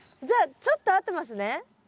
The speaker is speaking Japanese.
じゃあちょっと合ってますね。